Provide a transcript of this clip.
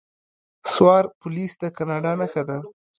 سوار پولیس د کاناډا نښه ده.